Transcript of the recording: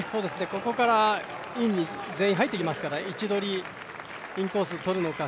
ここからインに全員入ってきますから位置取り、インコースとるのか